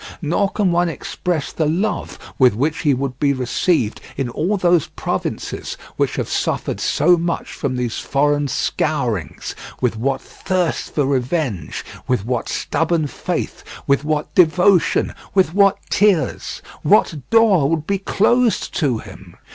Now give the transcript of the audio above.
Nor can one express the love with which he would be received in all those provinces which have suffered so much from these foreign scourings, with what thirst for revenge, with what stubborn faith, with what devotion, with what tears. What door would be closed to him?